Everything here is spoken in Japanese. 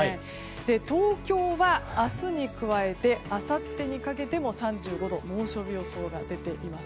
東京は明日に加えてあさってにかけても３５度の猛暑日予想が出ています。